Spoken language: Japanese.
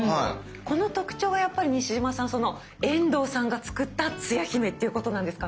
この特徴はやっぱり西島さん遠藤さんが作ったつや姫っていうことなんですかね。